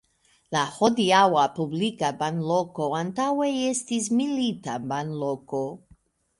La hodiaŭa publika banloko antaŭe estis milita banloko.